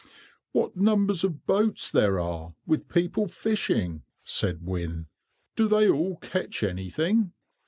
"What numbers of boats there are with people fishing?" said Wynne. "Do they all catch anything?"